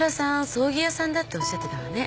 葬儀屋さんだっておっしゃってたわね。